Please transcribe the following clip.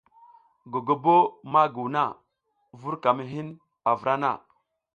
Gogobo ma giruw na, vur ka ma hin a vra na.